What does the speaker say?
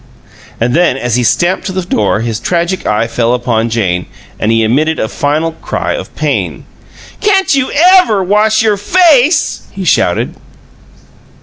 And then, as he stamped to the door, his tragic eye fell upon Jane, and he emitted a final cry of pain: "Can't you EVER wash your face?" he shouted.